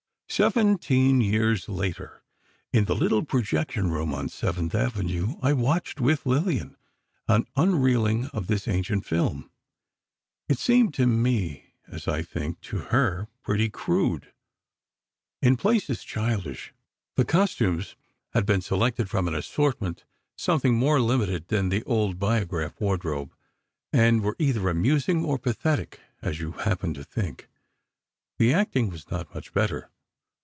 Seventeen years later, in the little projection room on Seventh Avenue, I watched, with Lillian, an unreeling of this ancient film. It seemed to me, as, I think, to her, pretty crude:—in places, childish. The costumes had been selected from an assortment something more limited than the old Biograph wardrobe, and were either amusing or pathetic, as you happened to think. The acting was not much better.